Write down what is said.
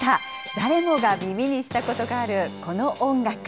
誰もが耳にしたことがあるこの音楽。